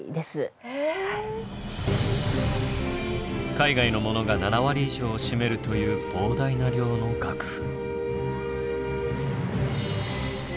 海外のものが７割以上を占めるという膨大な量の楽譜。